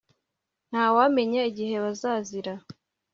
Ntawamenya igihe bazazira